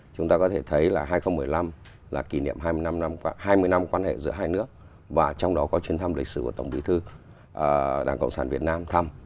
chúng ta có thể thấy là hai nghìn một mươi năm là kỷ niệm hai mươi năm quan hệ giữa hai nước và trong đó có chuyến thăm lịch sử của tổng bí thư đảng cộng sản việt nam thăm